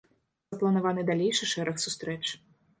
Запланаваны далейшы шэраг сустрэч.